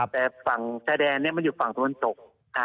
แต่ฝั่งชายแดนมันอยู่ฝั่งตะวันตก